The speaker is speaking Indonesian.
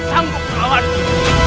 kamu tak akan mati